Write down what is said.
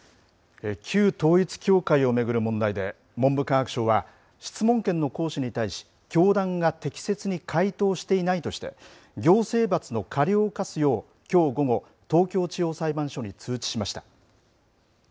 旧統一教会を巡る問題で文部科学省は質問権の行使に対して教団が適切に回答していないとして行政罰の過料を科すようきょう午後、東京地方裁判所に通知しました。